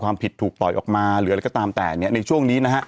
ผิดถูกปล่อยออกมาหรืออะไรก็ตามแต่เนี่ยในช่วงนี้นะฮะ